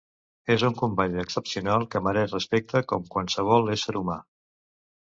És un company excepcional que mereix respecte com qualsevol ésser humà.